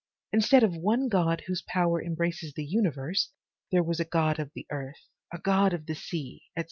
Instead of one God whose power embraces the universe, there was a god of 185 MY BOOK HOUSE the earth, a god of the sea, etc.